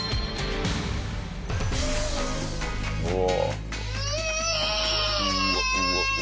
うわ。